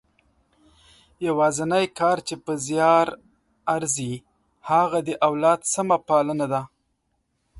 یوازنۍ کار چې په زیار ارزي هغه د اولاد سمه پالنه ده.